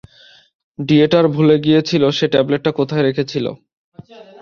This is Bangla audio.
ডিয়েটার ভুলে গিয়েছিল সে ট্যাবলেটটা কোথায় রেখেছিল।